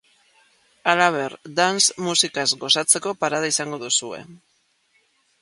Halaber, dance musikaz gozatzeko parada izango duzue.